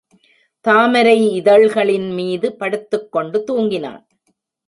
தாமரை இதழ்களின் மீது படுத்துக் கொண்டு தூங்கினான்.